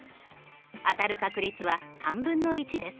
当たる確率は３分の１です。